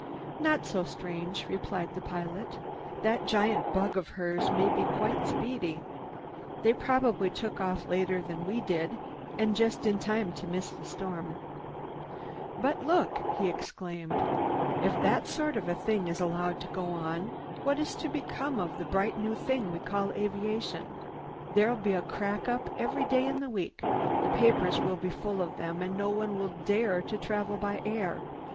"Not so strange," replied the pilot. "That giant bug of hers may be quite speedy. They probably took off later than we did and just in time to miss the storm. "But look!" he exclaimed, "If that sort of thing is allowed to go on, what is to come of this bright new thing we call aviation? There'll be a crack up every day in the week. The papers will be full of them and no one will dare to travel by air.